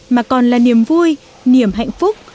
mà còn là niềm vui niềm hạnh phúc